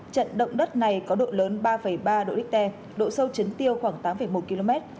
trận động đất này có độ lớn ba ba độ richter độ sâu chấn tiêu khoảng tám một km